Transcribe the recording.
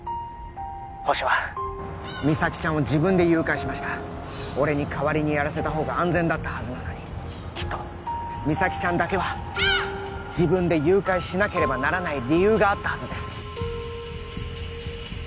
ホシは実咲ちゃんを自分で誘拐しました俺に代わりにやらせたほうが安全だったはずなのにきっと実咲ちゃんだけは自分で誘拐しなければならない理由があったはずです